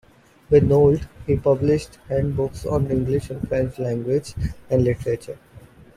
With Nolte he published handbooks on English and French language and literature.